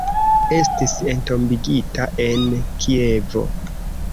Estis entombigita en Kievo.